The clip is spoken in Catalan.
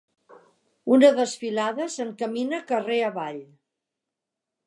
Una desfilada s'encamina carrer avall.